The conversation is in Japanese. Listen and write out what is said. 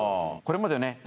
これまでね